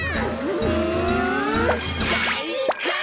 うんかいか！